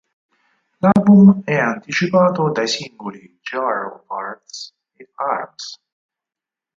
L'album è anticipato dai singoli "Jar of Hearts" e "Arms".